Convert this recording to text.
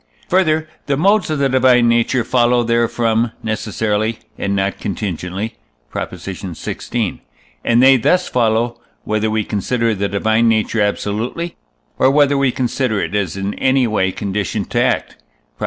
Further, the modes of the divine nature follow therefrom necessarily, and not contingently (Prop. xvi.); and they thus follow, whether we consider the divine nature absolutely, or whether we consider it as in any way conditioned to act (Prop.